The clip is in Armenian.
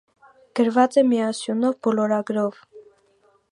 Գրված է միասյունով, բոլորագրով։